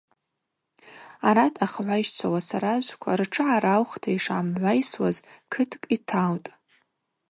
Арат ахыгӏвайщчва уасаражвква ртшы гӏараухта йшгӏамгӏвайсхуаз кыткӏ йталтӏ.